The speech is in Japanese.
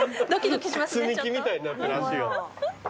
積み木みたいになってる足が。